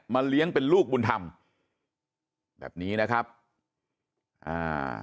เลี้ยงเป็นลูกบุญธรรมแบบนี้นะครับอ่า